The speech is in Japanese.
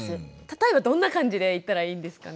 例えばどんな感じで言ったらいいんですかね？